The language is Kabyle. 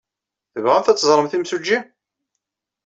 Tebɣamt ad teẓremt imsujji?